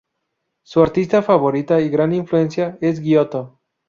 Su artista favorito y gran influencia es Giotto.